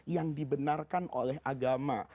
yang dibenarkan oleh agama